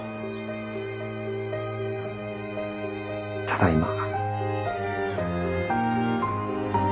ただいま。